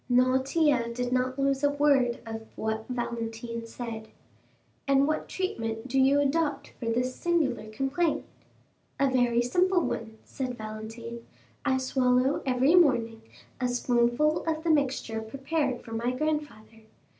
Noirtier did not lose a word of what Valentine said. "And what treatment do you adopt for this singular complaint?" "A very simple one," said Valentine. "I swallow every morning a spoonful of the mixture prepared for my grandfather.